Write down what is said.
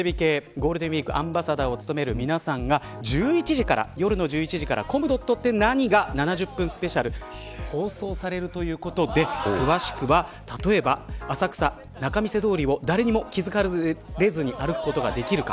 アンバサダーを務める皆さんが夜１１時からコムドットって何？が７０分スペシャルで放送されるということで仲見世通りを誰にも気付かれずに歩くことができるか。